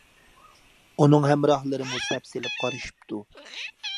ئۇنىڭ ھەمراھلىرىمۇ سەپسېلىپ قارىشىپتۇ.